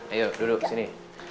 ayo duduk sini